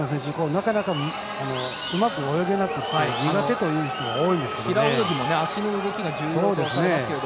なかなかうまく泳げなくて苦手という人が多いんですけど。